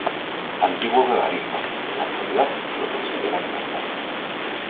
Antiguo guevarista, en la actualidad se lo considera libertario.